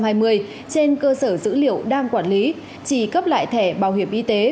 trên cơ sở dữ liệu đang quản lý chỉ cấp lại thẻ bảo hiểm y tế